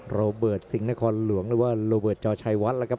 โรเบิร์ตสิงห์นครหลวงหรือว่าโรเบิร์ตจอชัยวัดแล้วครับ